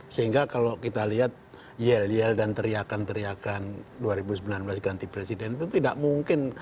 sehingga kalau kita lihat yel yel dan teriakan teriakan dua ribu sembilan belas ganti presiden itu tidak mungkin